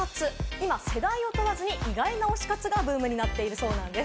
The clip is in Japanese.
今世代を問わずに意外な推し活がブームになっているそうなんです。